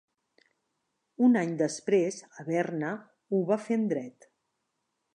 Un any després, a Berna, ho va fer en dret.